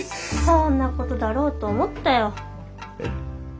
そんなことだろうと思ったよ。